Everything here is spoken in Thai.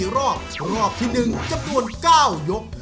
รอบรอบที่๑จำนวน๙ยก